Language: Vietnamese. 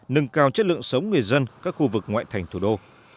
nâng cao chất lượng sống người dân các khu vực ngoại thành thủ đô